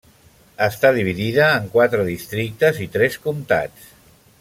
Està dividida en quatre districtes i tres comtats.